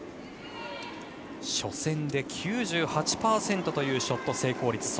初戦で９８％というショット成功率。